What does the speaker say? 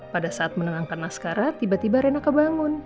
pada saat menenangkan naskara tiba tiba rena kebangun